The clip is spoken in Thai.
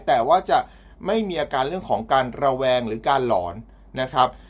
แต่ว่าจะไม่มีอาการเรื่องของการระแวงหรือการหลอนนะครับ